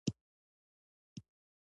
استاد بينوا له خپل ولس سره مینه درلودله.